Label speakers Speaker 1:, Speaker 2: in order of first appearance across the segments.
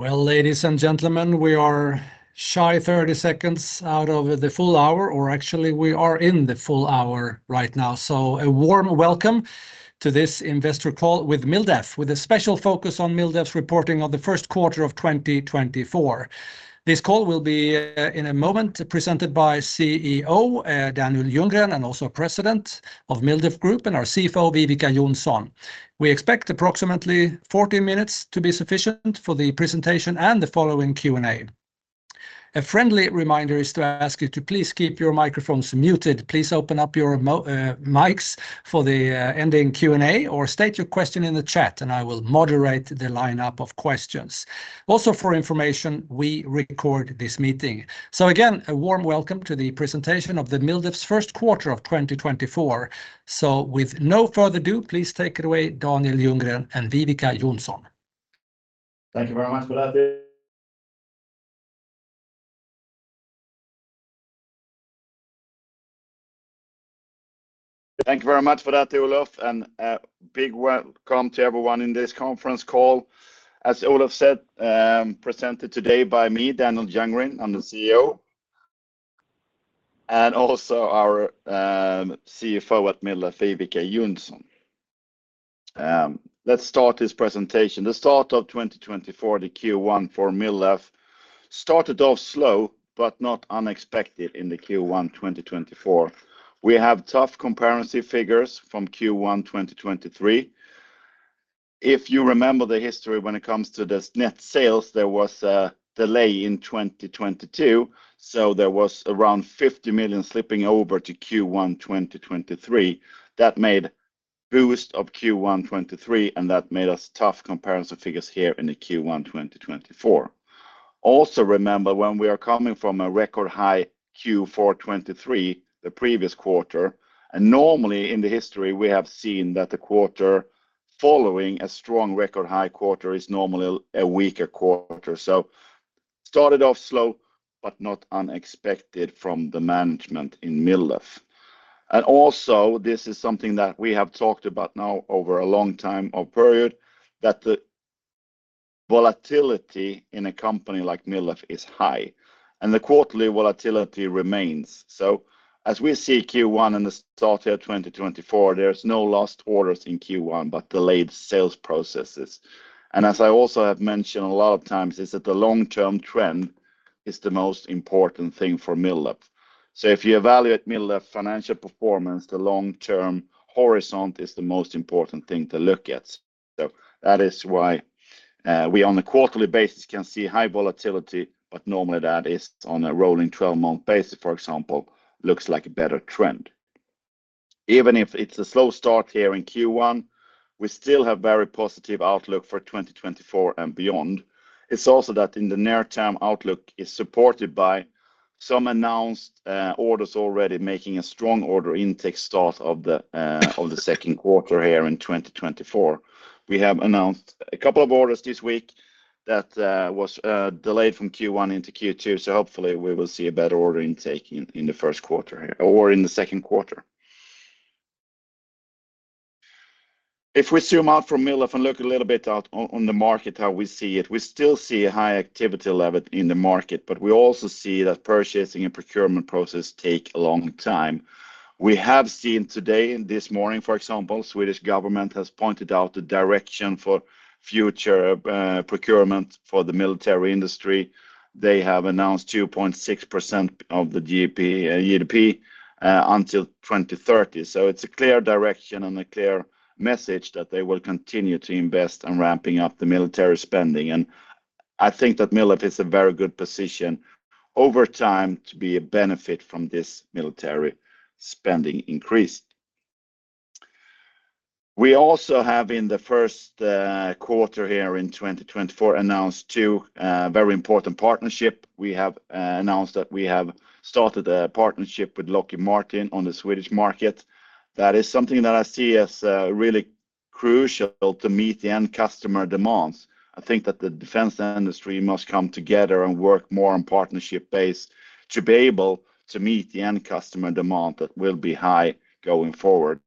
Speaker 1: Well, ladies and gentlemen, we are shy 30 seconds out of the full hour, or actually, we are in the full hour right now. So a warm welcome to this investor call with MilDef, with a special focus on MilDef's reporting of the first quarter of 2024. This call will be, in a moment, presented by CEO Daniel Ljunggren, and also President of MilDef Group, and our CFO, Viveca Johnsson. We expect approximately 40 minutes to be sufficient for the presentation and the following Q&A. A friendly reminder is to ask you to please keep your microphones muted. Please open up your mics for the ending Q&A or state your question in the chat, and I will moderate the lineup of questions. Also, for information, we record this meeting. So again, a warm Welcome to the presentation of MilDef's First Quarter of 2024. With no further ado, please take it away, Daniel Ljunggren and Viveca Johnsson.
Speaker 2: Thank you very much for that, thank you very much for that, Olof, and a big welcome to everyone in this conference call. As Olof said, presented today by me, Daniel Ljunggren, I'm the CEO, and also our CFO at MilDef, Viveca Johnsson. Let's start this presentation. The start of 2024, the Q1 for MilDef, started off slow, but not unexpected in the Q1 2024. We have tough comparison figures from Q1 2023. If you remember the history when it comes to this net sales, there was a delay in 2022, so there was around 50 million slipping over to Q1 2023. That made boost of Q1 2023, and that made us tough comparison figures here in the Q1 2024. Also, remember, when we are coming from a record high Q4 2023, the previous quarter, and normally in the history, we have seen that the quarter following a strong record high quarter is normally a weaker quarter. So started off slow, but not unexpected from the management in MilDef. And also, this is something that we have talked about now over a long time or period, that the volatility in a company like MilDef is high, and the quarterly volatility remains. So as we see Q1 in the start of 2024, there's no lost orders in Q1, but delayed sales processes. And as I also have mentioned a lot of times, is that the long-term trend is the most important thing for MilDef. So if you evaluate MilDef financial performance, the long-term horizon is the most important thing to look at. So that is why, we, on a quarterly basis, can see high volatility, but normally that is on a rolling 12 month basis, for example, looks like a better trend. Even if it's a slow start here in Q1, we still have very positive outlook for 2024 and beyond. It's also that in the near-term outlook is supported by some announced orders already making a strong order intake start of the second quarter here in 2024. We have announced a couple of orders this week that was delayed from Q1 into Q2, so hopefully, we will see a better order intake in the first quarter or in the second quarter. If we zoom out from MilDef and look a little bit out on the market, how we see it, we still see a high activity level in the market, but we also see that purchasing and procurement process take a long time. We have seen today, in this morning, for example, Swedish government has pointed out the direction for future procurement for the military industry. They have announced 2.6% of the GDP until 2030. So it's a clear direction and a clear message that they will continue to invest in ramping up the military spending. I think that MilDef is a very good position over time to be a benefit from this military spending increase. We also have, in the first quarter here in 2024, announced two very important partnership. We have announced that we have started a partnership with Lockheed Martin on the Swedish market. That is something that I see as really crucial to meet the end customer demands. I think that the defense industry must come together and work more on partnership base to be able to meet the end customer demand that will be high going forward.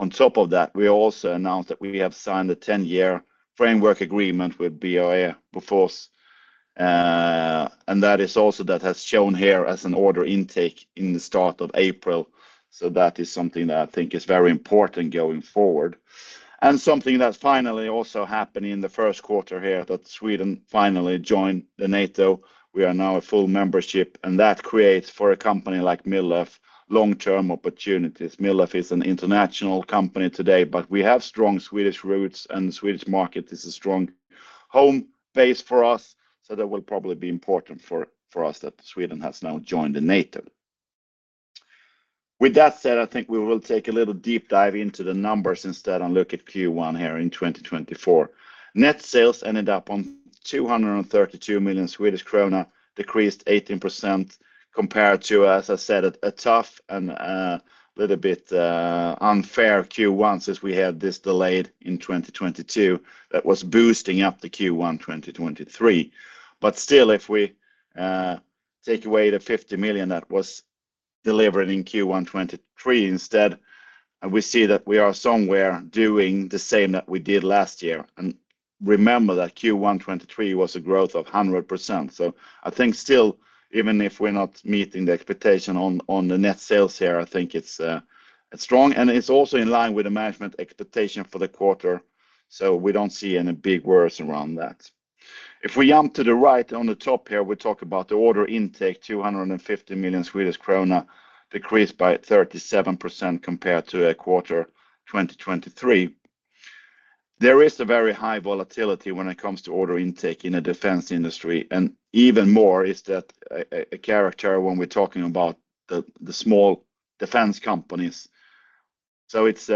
Speaker 2: On top of that, we also announced that we have signed a 10 year framework agreement with BAE Bofors, and that is also that has shown here as an order intake in the start of April. So that is something that I think is very important going forward. And something that's finally also happened in the first quarter here, that Sweden finally joined NATO. We are now a full membership, and that creates for a company like MilDef, long-term opportunities. MilDef is an international company today, but we have strong Swedish roots, and Swedish market is a strong home base for us, so that will probably be important for, for us, that Sweden has now joined the NATO. With that said, I think we will take a little deep dive into the numbers instead and look at Q1 here in 2024. Net sales ended up on 232 million Swedish krona, decreased 18% compared to, as I said, a, a tough and little bit unfair Q1 since we had this delayed in 2022. That was boosting up the Q1 2023. But still, if we take away the 50 million that was delivering in Q1 2023 instead, and we see that we are somewhere doing the same that we did last year. Remember that Q1 2023 was a growth of 100%. I think still, even if we're not meeting the expectation on, on the net sales here, I think it's, it's strong, and it's also in line with the management expectation for the quarter, so we don't see any big worries around that. If we jump to the right, on the top here, we talk about the order intake, 250 million Swedish krona, decreased by 37% compared to Q1 2023. There is a very high volatility when it comes to order intake in the defense industry, and even more is that a character when we're talking about the small defense companies. So it's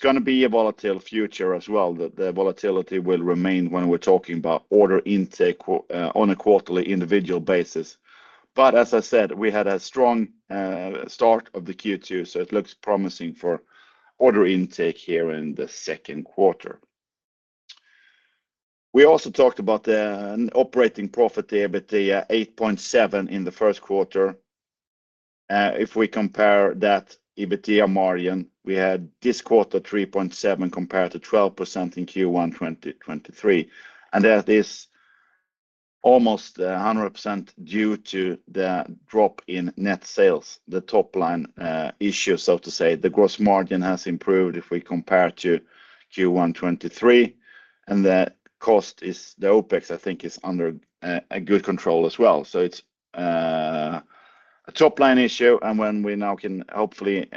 Speaker 2: gonna be a volatile future as well, the volatility will remain when we're talking about order intake on a quarterly individual basis. But as I said, we had a strong start of the Q2, so it looks promising for order intake here in the second quarter. We also talked about the operating profit, the EBITDA, 8.7% in the first quarter. If we compare that EBITDA margin, we had this quarter 3.7% compared to 12% in Q1 2023, and that is almost 100% due to the drop in net sales, the top line issue, so to say. The gross margin has improved if we compare to Q1 2023, and the costs of OpEx, I think, is under a good control as well. So it's a top-line issue, and when we now can, hopefully,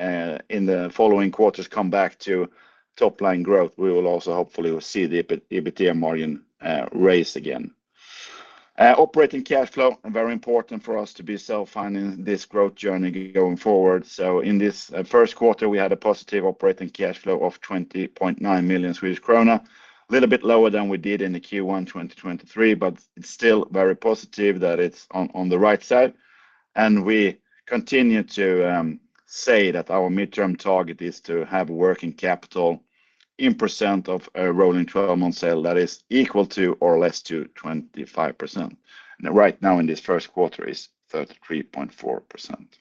Speaker 2: in the following quarters, come back to top-line growth, we will also hopefully see the EBITDA margin raise again. Operating cash flow, very important for us to be self-funding this growth journey going forward. So in this first quarter, we had a positive operating cash flow of 20.9 million Swedish krona. A little bit lower than we did in the Q1 2023, but it's still very positive that it's on the right side. And we continue to say that our midterm target is to have working capital in percent of a rolling 12 month sale that is equal to or less to 25%. And right now, in this first quarter, is 33.4%.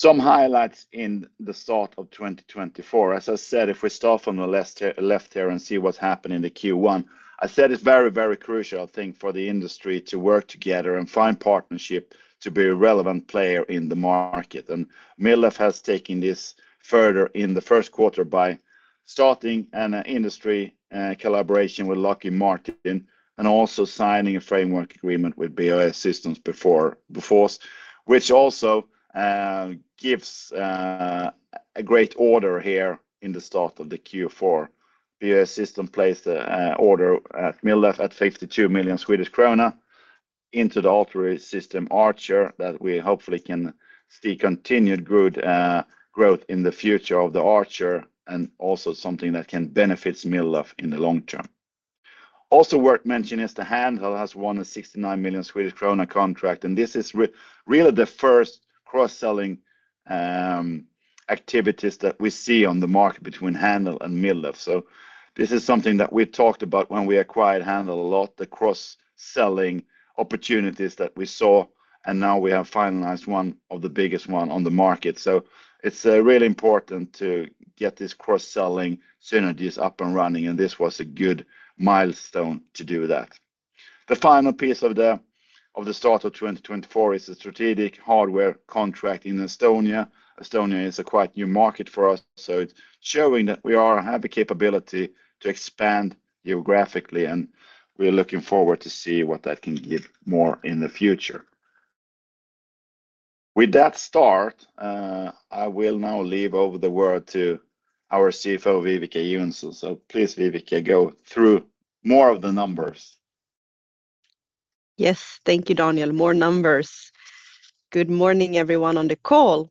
Speaker 2: Some highlights in the start of 2024. As I said, if we start from the left here, left here and see what's happened in the Q1, I said it's very, very crucial, I think, for the industry to work together and find partnership to be a relevant player in the market. MilDef has taken this further in the first quarter by starting an industry collaboration with Lockheed Martin, and also signing a framework agreement with BAE Systems Bofors, which also gives a great order here in the start of the Q4. BAE Systems placed a order at MilDef at 52 million Swedish krona into the artillery system, Archer, that we hopefully can see continued good growth in the future of the Archer and also something that can benefit MilDef in the long term. Also worth mentioning is that Handheld has won a 69 million Swedish krona contract, and this is really the first cross-selling activities that we see on the market between Handheld and MilDef. So this is something that we talked about when we acquired Handheld, a lot, the cross-selling opportunities that we saw, and now we have finalized one of the biggest one on the market. So it's really important to get this cross-selling synergies up and running, and this was a good milestone to do that. The final piece of the start of 2024 is the strategic hardware contract in Estonia. Estonia is a quite new market for us, so it's showing that we have the capability to expand geographically, and we are looking forward to see what that can give more in the future. With that start, I will now leave over the word to our CFO, Viveca Johnsson. Please, Viveca, go through more of the numbers.
Speaker 3: Yes, thank you, Daniel. More numbers. Good morning, everyone on the call.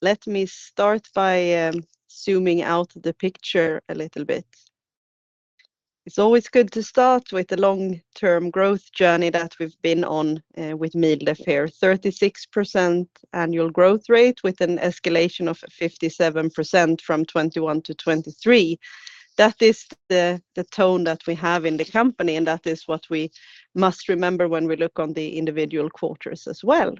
Speaker 3: Let me start by zooming out the picture a little bit. It's always good to start with the long-term growth journey that we've been on with MilDef here. 36% annual growth rate with an escalation of 57% from 2021 to 2023. That is the, the tone that we have in the company, and that is what we must remember when we look on the individual quarters as well.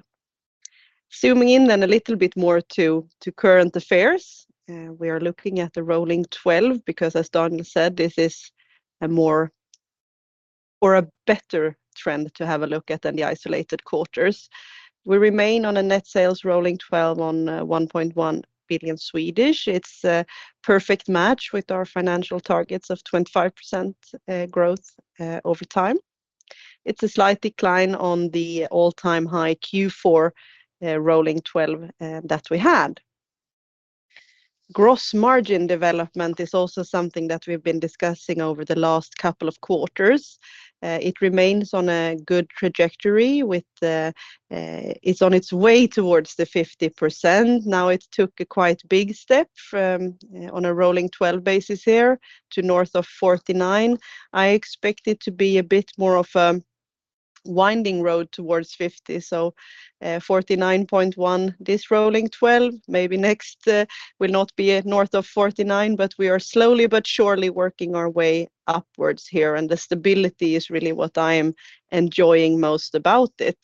Speaker 3: Zooming in then a little bit more to, to current affairs, we are looking at the rolling 12, because as Daniel said, this is a more or a better trend to have a look at than the isolated quarters. We remain on a net sales rolling 12 on 1.1 billion. It's a perfect match with our financial targets of 25% growth over time. It's a slight decline on the all-time high Q4 rolling 12 that we had. Gross margin development is also something that we've been discussing over the last couple of quarters. It remains on a good trajectory with the... It's on its way towards the 50%. Now, it took a quite big step from on a rolling 12 basis here to north of 49%. I expect it to be a bit more of a winding road towards 50%, so 49.1%, this rolling 12, maybe next will not be north of 49%, but we are slowly but surely working our way upwards here, and the stability is really what I am enjoying most about it.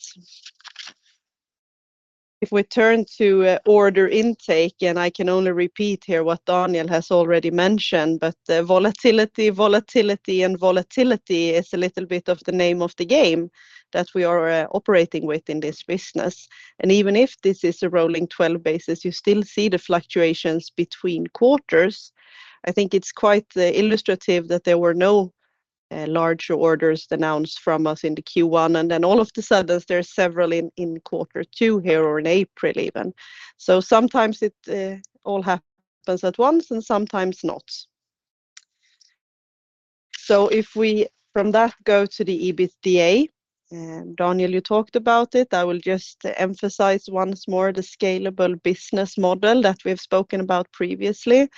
Speaker 3: If we turn to order intake, and I can only repeat here what Daniel has already mentioned, but the volatility, volatility, and volatility is a little bit of the name of the game that we are operating with in this business. And even if this is a rolling 12 basis, you still see the fluctuations between quarters. I think it's quite the illustrative that there were no large orders announced from us in the Q1, and then all of a sudden, there are several in quarter two here or in April, even. So sometimes it all happens at once and sometimes not. So if we, from that, go to the EBITDA, and Daniel, you talked about it, I will just emphasize once more the scalable business model that we've spoken about previously.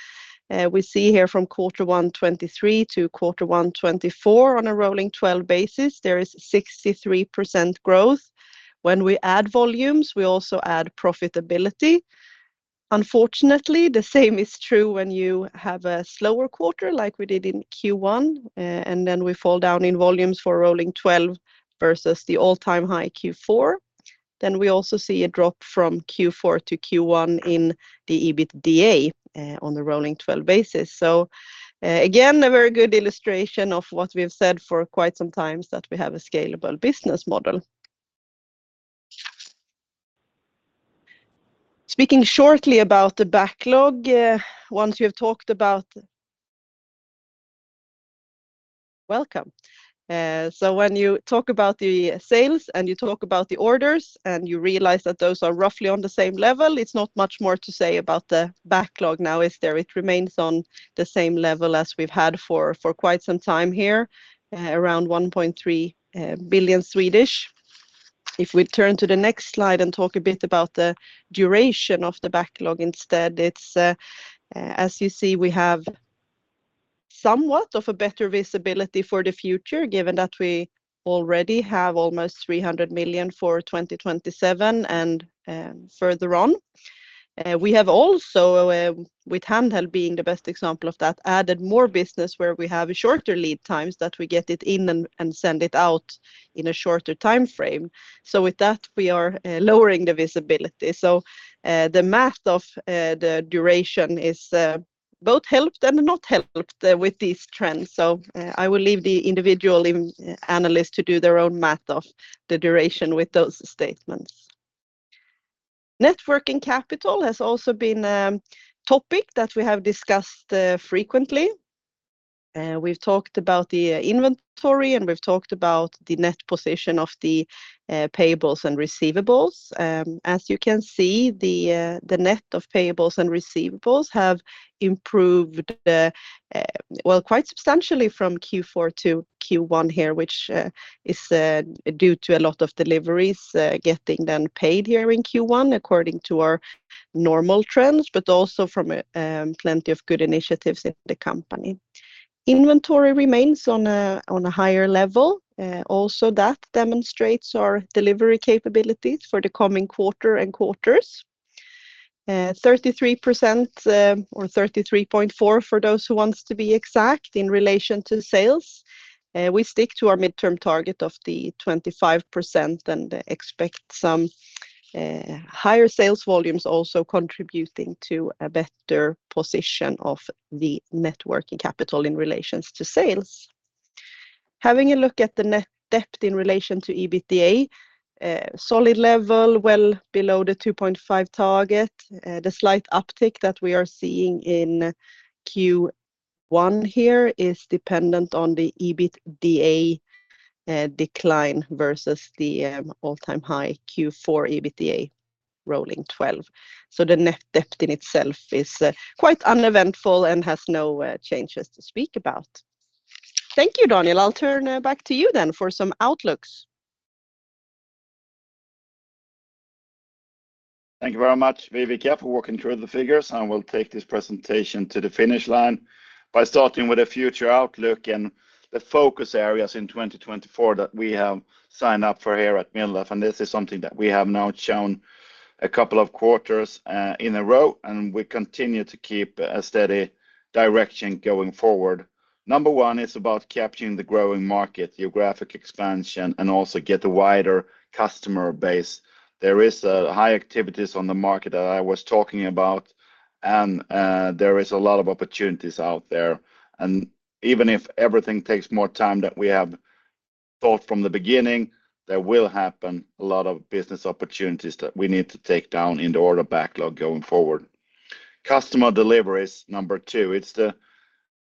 Speaker 3: We see here from Quarter 1 2023 to Quarter 1 2024 on a rolling 12 basis, there is 63% growth. When we add volumes, we also add profitability. Unfortunately, the same is true when you have a slower quarter, like we did in Q1, and then we fall down in volumes for rolling 12 versus the all-time high Q4. Then we also see a drop from Q4 to Q1 in the EBITDA, on the rolling 12 basis. So, again, a very good illustration of what we've said for quite some time, is that we have a scalable business model. Speaking shortly about the backlog, once you have talked about... Welcome. So when you talk about the sales, and you talk about the orders, and you realize that those are roughly on the same level, it's not much more to say about the backlog now, is there? It remains on the same level as we've had for quite some time here, around 1.3 billion. If we turn to the next slide and talk a bit about the duration of the backlog instead, it's, as you see, we have somewhat of a better visibility for the future, given that we already have almost 300 million for 2027 and further on. We have also, with Handheld being the best example of that, added more business where we have shorter lead times that we get it in and send it out in a shorter time frame. So with that, we are lowering the visibility. So, the math of the duration is both helped and not helped with these trends. So, I will leave the individual analysts to do their own math of the duration with those statements. Net working capital has also been a topic that we have discussed frequently. We've talked about the inventory, and we've talked about the net position of the payables and receivables. As you can see, the net of payables and receivables have improved well, quite substantially from Q4 to Q1 here, which is due to a lot of deliveries getting then paid here in Q1, according to our normal trends, but also from plenty of good initiatives in the company. Inventory remains on a higher level. Also, that demonstrates our delivery capabilities for the coming quarter and quarters. 33%, or 33.4%, for those who wants to be exact in relation to sales. We stick to our mid-term target of the 25% and expect some higher sales volumes also contributing to a better position of the net working capital in relation to sales. Having a look at the net debt in relation to EBITDA, a solid level, well below the 2.5% target. The slight uptick that we are seeing in Q1 here is dependent on the EBITDA decline versus the all-time high Q4 EBITDA rolling 12. So the net debt in itself is quite uneventful and has no changes to speak about. Thank you, Daniel. I'll turn it back to you then for some outlooks.
Speaker 2: Thank you very much, Viveca Johnsson, for walking through the figures. I will take this presentation to the finish line by starting with a future outlook and the focus areas in 2024 that we have signed up for here at MilDef. This is something that we have now shown a couple of quarters in a row, and we continue to keep a steady direction going forward. Number one is about capturing the growing market, geographic expansion, and also get a wider customer base. There is high activities on the market that I was talking about, and there is a lot of opportunities out there. And even if everything takes more time than we have thought from the beginning, there will happen a lot of business opportunities that we need to take down in the order backlog going forward. Customer delivery is number two. It's the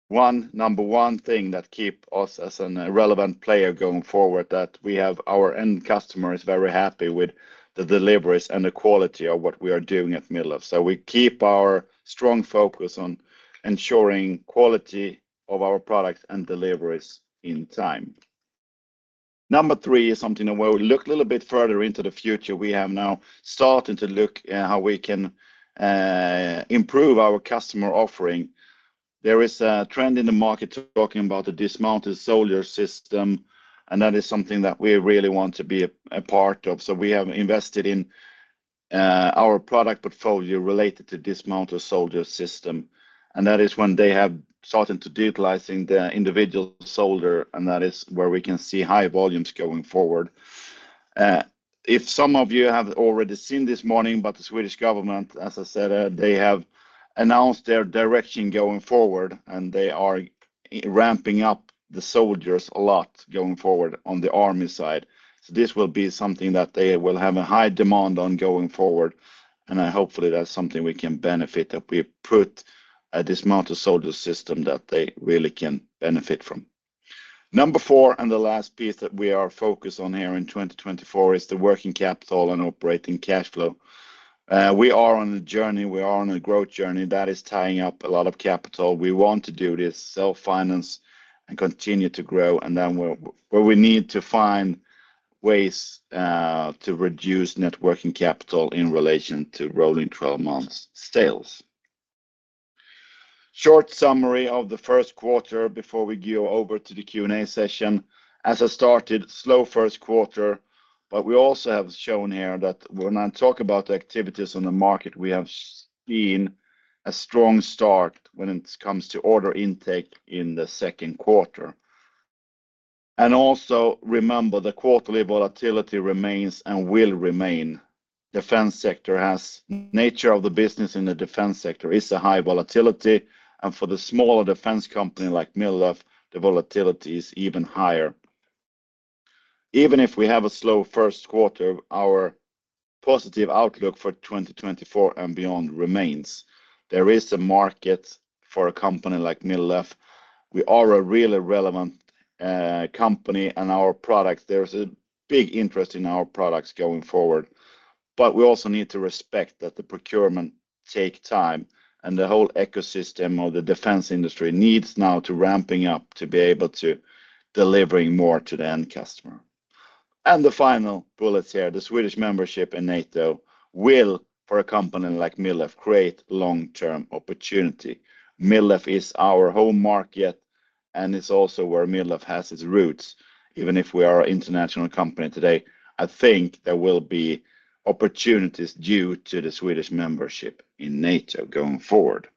Speaker 2: one, number one thing that keep us as a relevant player going forward, that we have our end customer is very happy with the deliveries and the quality of what we are doing at MilDef. So we keep our strong focus on ensuring quality of our products and deliveries in time. Number three is something where we look a little bit further into the future. We have now started to look at how we can improve our customer offering. There is a trend in the market talking about the Dismounted Soldier System, and that is something that we really want to be a part of. So we have invested in our product portfolio related to Dismounted Soldier System, and that is when they have started to digitizing the individual soldier, and that is where we can see high volumes going forward. If some of you have already seen this morning, but the Swedish government, as I said, they have announced their direction going forward, and they are ramping up the soldiers a lot going forward on the army side. So this will be something that they will have a high demand on going forward, and hopefully, that's something we can benefit, that we put Dismounted Soldier System that they really can benefit from. Number four, and the last piece that we are focused on here in 2024, is the working capital and operating cash flow. We are on a journey. We are on a growth journey that is tying up a lot of capital. We want to do this self-finance and continue to grow, and then where, where we need to find ways to reduce net working capital in relation to rolling 12 months sales. Short summary of the first quarter before we go over to the Q&A session. As I started, slow first quarter, but we also have shown here that when I talk about the activities on the market, we have seen a strong start when it comes to order intake in the second quarter. And also remember, the quarterly volatility remains and will remain. Defense sector has nature of the business in the defense sector is a high volatility, and for the smaller defense company like MilDef, the volatility is even higher. Even if we have a slow first quarter, our positive outlook for 2024 and beyond remains. There is a market for a company like MilDef. We are a really relevant company and our product, there's a big interest in our products going forward. But we also need to respect that the procurement take time and the whole ecosystem of the defense industry needs now to ramping up to be able to delivering more to the end customer. And the final bullets here, the Swedish membership in NATO will, for a company like MilDef, create long-term opportunity. MilDef is our home market, and it's also where MilDef has its roots, even if we are an international company today. I think there will be opportunities due to the Swedish membership in NATO going forward.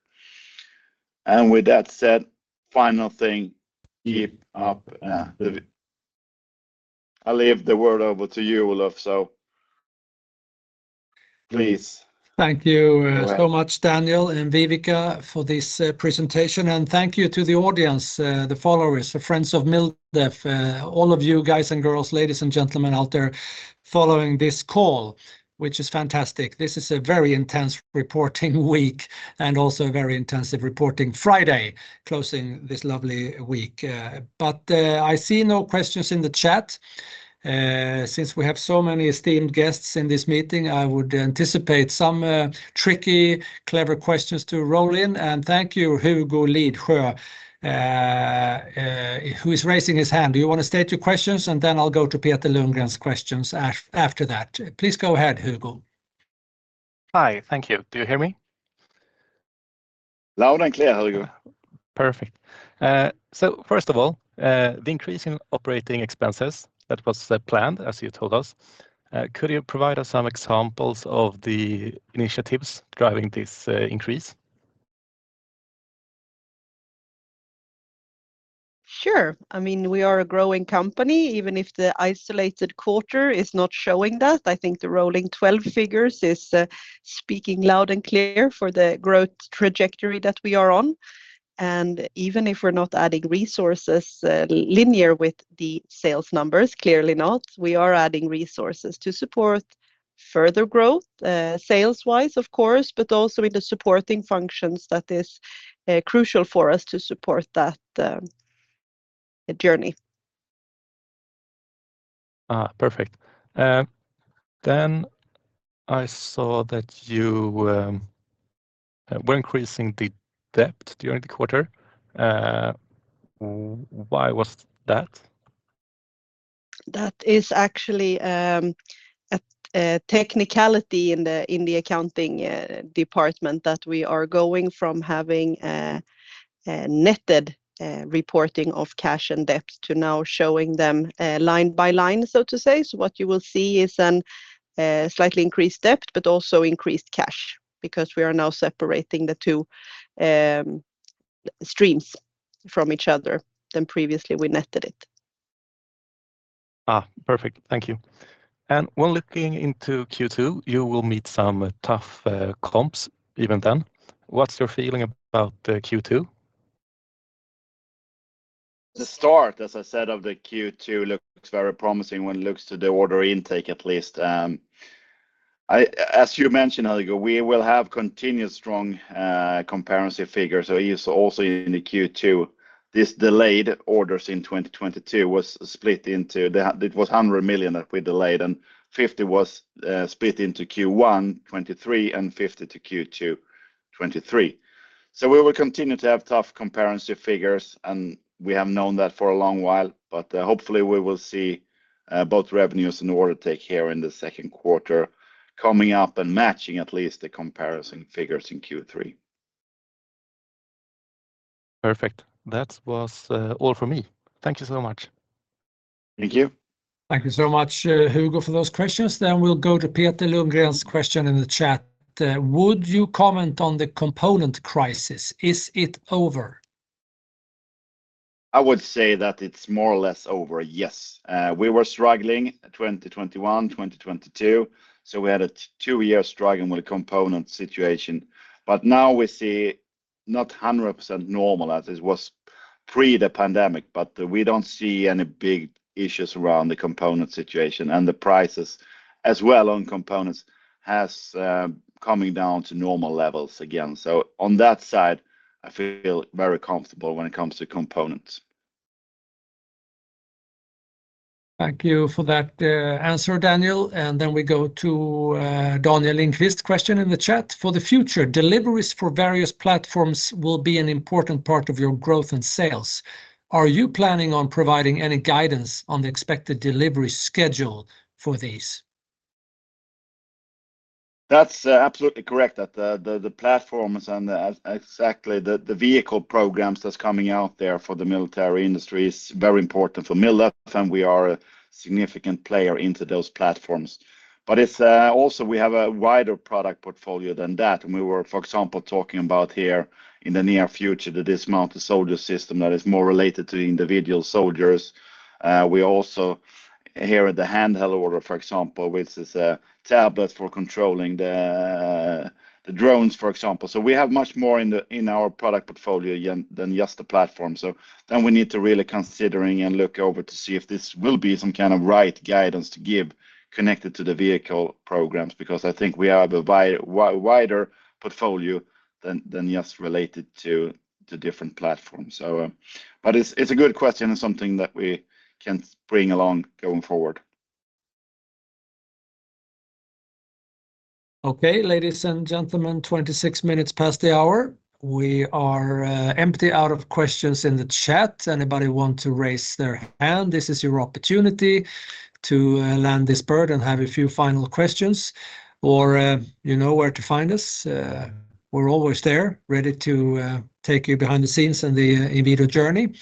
Speaker 2: And with that said, final thing, keep up. I leave the word over to you, Olof. So, please.
Speaker 1: Thank you, so much, Daniel and Viveca, for this, presentation, and thank you to the audience, the followers, the friends of MilDef, all of you guys and girls, ladies and gentlemen out there following this call, which is fantastic. This is a very intense reporting week and also a very intensive reporting Friday, closing this lovely week. But I see no questions in the chat. Since we have so many esteemed guests in this meeting, I would anticipate some tricky, clever questions to roll in. Thank you, Hugo Lisjö, who is raising his hand. Do you want to state your questions? And then I'll go to Peter Lundgren's questions after that. Please go ahead, Hugo.
Speaker 4: Hi. Thank you. Do you hear me?
Speaker 2: Loud and clear, Hugo.
Speaker 4: Perfect. So first of all, the increase in operating expenses, that was the plan, as you told us. Could you provide us some examples of the initiatives driving this increase?
Speaker 3: Sure. I mean, we are a growing company, even if the isolated quarter is not showing that. I think the rolling 12 figures is speaking loud and clear for the growth trajectory that we are on. And even if we're not adding resources linear with the sales numbers, clearly not, we are adding resources to support further growth sales-wise, of course, but also in the supporting functions that is crucial for us to support that journey.
Speaker 4: Ah, perfect. Then I saw that you were increasing the debt during the quarter. Why was that?
Speaker 3: That is actually a technicality in the accounting department that we are going from having a netted reporting of cash and debt to now showing them line by line, so to say. So what you will see is a slightly increased debt, but also increased cash, because we are now separating the two streams from each other than previously we netted it.
Speaker 4: Ah, perfect. Thank you. And when looking into Q2, you will meet some tough comps even then. What's your feeling about the Q2?
Speaker 2: The start, as I said, of the Q2, looks very promising when it looks to the order intake at least. As you mentioned, Hugo, we will have continued strong, comparison figures. So it is also in the Q2. This delayed orders in 2022 was split into the, it was 100 million that we delayed, and 50 million was, split into Q1 2023 and 50 million to Q2 2023. So we will continue to have tough comparison figures, and we have known that for a long while, but, hopefully, we will see, both revenues and order take here in the second quarter coming up and matching at least the comparison figures in Q3.
Speaker 4: Perfect. That was all for me. Thank you so much.
Speaker 2: Thank you.
Speaker 1: Thank you so much, Hugo, for those questions. Then we'll go to Peter Lundgren's question in the chat. Would you comment on the component crisis? Is it over?
Speaker 2: I would say that it's more or less over, yes. We were struggling 2021, 2022, so we had two years struggling with a component situation. But now we see not 100% normal as it was pre the pandemic, but we don't see any big issues around the component situation, and the prices as well on components has coming down to normal levels again. So on that side, I feel very comfortable when it comes to components.
Speaker 1: Thank you for that answer, Daniel. Then we go to Daniel Lindkvist's question in the chat. For the future, deliveries for various platforms will be an important part of your growth and sales. Are you planning on providing any guidance on the expected delivery schedule for these?
Speaker 2: That's absolutely correct, that the platforms and exactly the vehicle programs that's coming out there for the military industry is very important for MilDef, and we are a significant player into those platforms. But it's also we have a wider product portfolio than that, and we were, for example, talking about here in the near future, the dismounted soldier system that is more related to individual soldiers. We also hear the handheld order, for example, which is a tablet for controlling the drones, for example. So we have much more in our product portfolio than just the platform. So then we need to really consider and look over to see if this will be some kind of right guidance to give connected to the vehicle programs, because I think we have a wider portfolio than just related to the different platforms. So, but it's a good question and something that we can bring along going forward.
Speaker 1: Okay, ladies and gentlemen, 26 minutes past the hour. We are empty out of questions in the chat. Anybody want to raise their hand, this is your opportunity to land this bird and have a few final questions, or you know where to find us. We're always there, ready to take you behind the scenes in the MilDef journey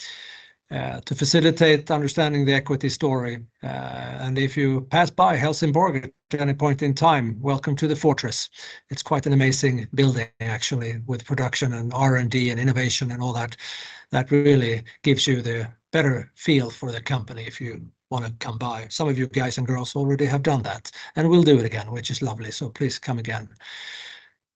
Speaker 1: to facilitate understanding the equity story. And if you pass by Helsingborg at any point in time, welcome to the fortress. It's quite an amazing building, actually, with production, and R&D, and innovation, and all that. That really gives you the better feel for the company if you want to come by. Some of you guys and girls already have done that, and we'll do it again, which is lovely, so please come again.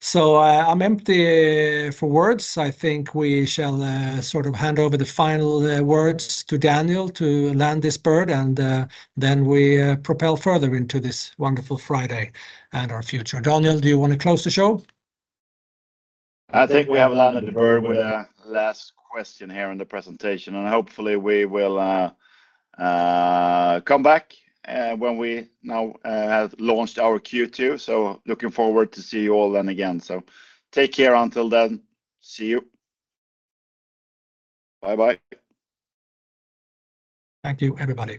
Speaker 1: So I'm empty for words. I think we shall sort of hand over the final words to Daniel to land this bird, and then we propel further into this wonderful Friday and our future. Daniel, do you want to close the show?
Speaker 2: I think we have landed the bird with a last question here in the presentation, and hopefully we will come back when we now have launched our Q2. So looking forward to see you all then again. So take care until then. See you. Bye-bye.
Speaker 1: Thank you, everybody.